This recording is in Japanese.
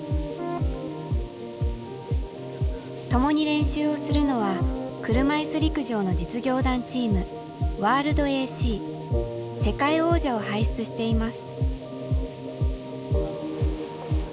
共に練習をするのは車いす陸上の実業団チーム世界王者を輩出しています。